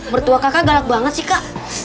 mertua kakak galak banget sih kak